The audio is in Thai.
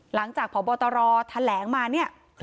หลังจากพบตรแถลงมาเนี่ย